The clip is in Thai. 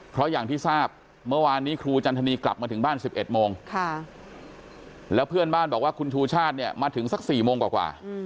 เพราะอย่างที่ทราบเมื่อวานนี้ครูจันทนีกลับมาถึงบ้าน๑๑โมงแล้วเพื่อนบ้านบอกว่าคุณชูชาติเนี่ยมาถึงสัก๔โมงกว่า